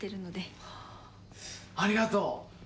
ありがとう！